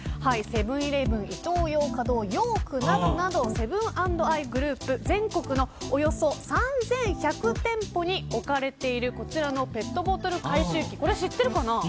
セブン‐イレブンイトーヨーカドー、ヨークなどセブン＆アイグループ全国のおよそ３１００店舗に置かれているこちらのペットボトル回収機これ知っているかな。